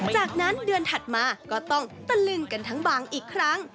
จากนั้นเดือนถัดมาก็ต้องตะลึงกันทั้งบางอีกครั้ง